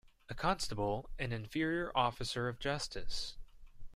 A constable an inferior officer of justice.